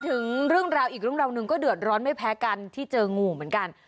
ถึงเรื่องราวอีกเรื่องราวหนึ่งก็เดือดร้อนไม่แพ้กันที่เจองูเหมือนกัน